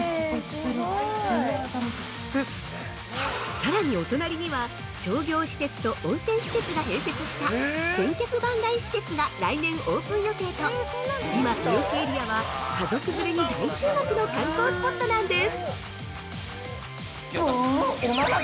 さらにお隣には、商業施設と温泉施設が併設した「千客万来施設」が来年オープン予定といま豊洲エリアは、家族連れに大注目の観光スポットなんです！